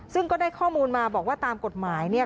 ซึ่งก็ได้ข้อมูลมาบอกว่าตามกฎหมายเนี่ย